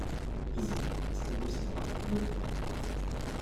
Tezgiḍ tettḥewwiseḍ ar tmurt-nni.